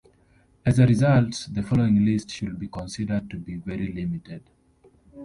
As a result, the following list should be considered to be very limited.